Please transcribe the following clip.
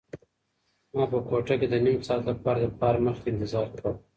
ما په کوټه کې د نيم ساعت لپاره د پلار مخې ته انتظار کاوه.